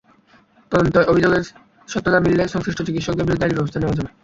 তদন্তে অভিযোগের সত্যতা মিললে সংশ্লিষ্ট চিকিৎসকের বিরুদ্ধে আইনি ব্যবস্থা নেওয়া যাবে।